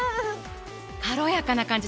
軽やかな感じ